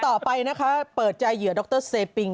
ต่อไปนะคะเปิดใจเหยื่อดรเซปิง